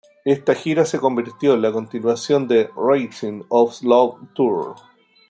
Esta gira se convirtió en la continuación de "Rhythm Of Love Tour".